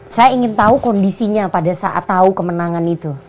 saya ingin tau kondisinya pada saat tau kemenangan itu